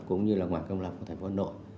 cũng như là ngoài công lập của thành phố hồng ngọc